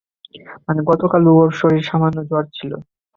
মানে, গতকালও ওর শরীরে সামান্য জ্বর ছিল!